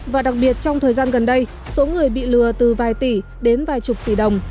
và đặc biệt trong thời gian gần đây số người bị lừa từ vài tỷ đến vài chục tỷ đồng